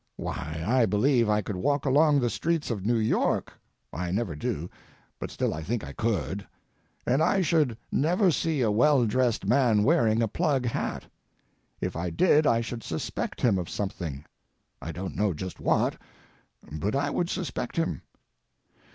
Why, I believe I could walk along the streets of New York—I never do—but still I think I could—and I should never see a well dressed man wearing a plug hat. If I did I should suspect him of something. I don't know just what, but I would suspect him.